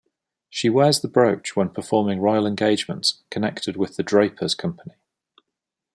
She wears the brooch when performing royal engagements connected with the Drapers Company.